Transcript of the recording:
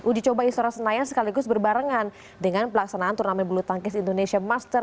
uji coba istora senayan sekaligus berbarengan dengan pelaksanaan turnamen bulutangkis indonesia master dua ribu delapan belas